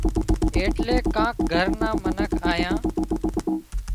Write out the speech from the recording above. ايٽليڪ ڪانڪ گھر نان منک آيان